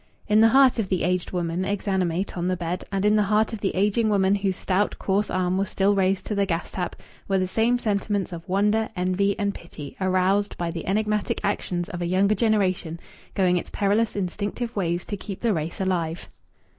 In the heart of the aged woman exanimate on the bed, and in the heart of the aging woman whose stout, coarse arm was still raised to the gas tap, were the same sentiments of wonder, envy, and pity, aroused by the enigmatic actions of a younger generation going its perilous, instinctive ways to keep the race alive.